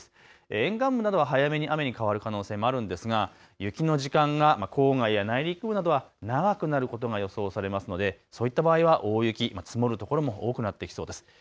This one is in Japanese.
沿岸部などは早めに雨に変わる可能性もあるんですが雪の時間が郊外や内陸部などは長くなることが予想されますのでそういった場合は大雪、積もる所も多くなってきそうです。